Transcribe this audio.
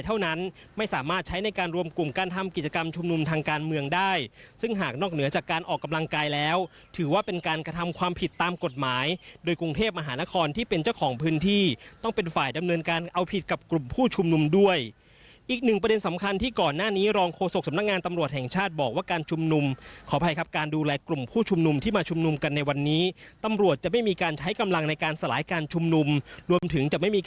จะสามารถใช้ในการรวมกลุ่มการทำกิจกรรมชุมนุมทางการเมืองได้ซึ่งหากนอกเหนือจากการออกกำลังกายแล้วถือว่าเป็นการกระทำความผิดตามกฎหมายโดยกรุงเทพมหานครที่เป็นเจ้าของพื้นที่ต้องเป็นฝ่ายดำเนินการเอาผิดกับกลุ่มผู้ชุมนุมด้วยอีกหนึ่งประเด็นสำคัญที่ก่อนหน้านี้รองโฆษกสำนักงานตำรวจแ